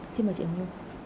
xin mời chị hồng nhung